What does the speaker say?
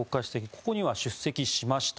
ここには出席しました。